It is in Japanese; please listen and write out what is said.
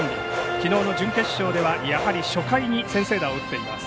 きのうの準決勝ではやはり初回に先制打を打っています。